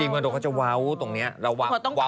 กิมโมโนเขาจะเว้าตรงเนี่ยเราเว้าตรงเนี่ย